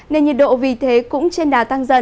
nên nhiệt độ vì thế cũng trên đà tăng dần